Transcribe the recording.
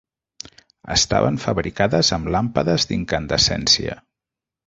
Estaven fabricades amb làmpades d'incandescència.